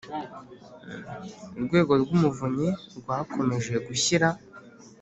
Urwego rw Umuvunyi rwakomeje gushyira